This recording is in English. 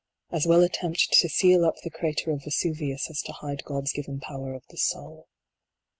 As well attempt to seal up the crater of Vesuvius as to hide God s given power of the soul.